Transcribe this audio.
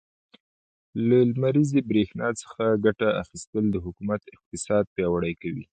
له لمريزې برښنا څخه ګټه اخيستل, د حکومت اقتصاد پياوړی کوي.